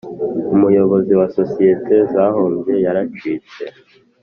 Umuyobozi wa sosiyete zahombye yaracitse.